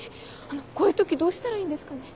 あのこういう時どうしたらいいんですかね？